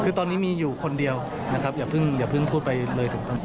คือตอนนี้มีอยู่คนเดียวนะครับอย่าเพิ่งพูดไปเลยถูกต้อง